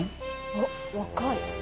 あっ若い。